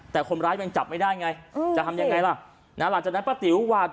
แต่คนร้ายยังจับไม่ได้ไงจะทำยังไงล่ะนะหลังจากนั้นป้าติ๋วหวาด